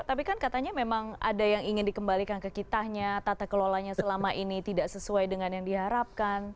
tapi kan katanya memang ada yang ingin dikembalikan ke kitanya tata kelolanya selama ini tidak sesuai dengan yang diharapkan